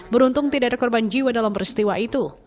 beruntung tidak ada korban jiwa dalam peristiwa itu